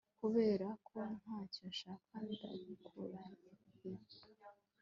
Kuberako ntacyo nshaka ndakurahiye